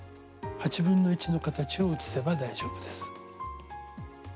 の形を写せば大丈夫です。